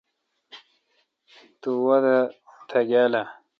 تو وادہ تیاگال اہ؟